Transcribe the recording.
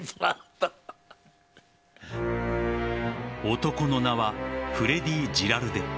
男の名はフレディ・ジラルデ。